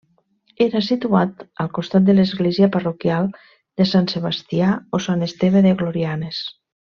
Era situat al costat de l'església parroquial de Sant Sebastià o Sant Esteve de Glorianes.